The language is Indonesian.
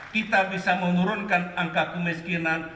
kita bisa menurunkan angka kemiskinan